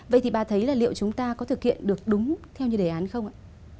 vậy thì bà thấy là liệu chúng ta có thực hiện được đúng theo như đề án không ạ